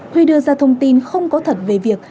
huy đưa ra thông tin không có thật về việc